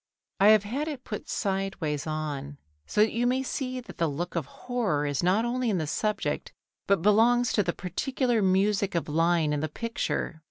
I have had it put sideways on so that you may see that the look of horror is not only in the subject but belongs to the particular music of line in the picture.